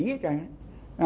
một cái gì đó